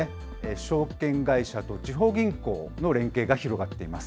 証券会社と地方銀行の連携が広がっています。